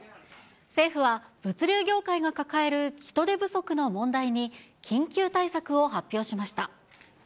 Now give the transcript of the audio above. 政府は物流業界が抱える人手不足の問題に、緊急対策を発表しまし